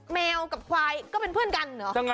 แมวกับควายก็เป็นเพื่อนกันเหรอ